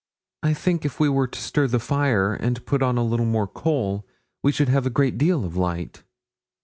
'I think if we were to stir the fire, and put on a little more coal, we should have a great deal of light.'